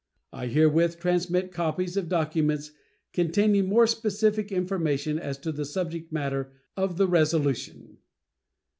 I herewith transmit copies of documents containing more specific information as to the subject matter of the resolution.